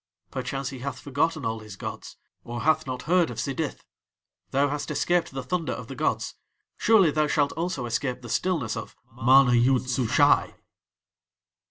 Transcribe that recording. Perchance he hath forgotten all his gods, or hath not heard of Sidith. Thou hast escaped the thunder of the gods, surely thou shalt also escape the stillness of MANA YOOD SUSHAI."